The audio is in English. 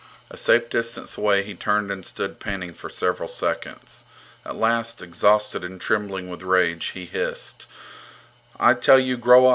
A safe distance away, he turned and stood panting for several seconds. At last, exhausted and trembling with rage, he hissed: I tell you, Groa.